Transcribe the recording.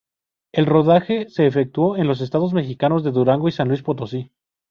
El rodaje se efectuó en los estados mexicanos de Durango y San Luis Potosí.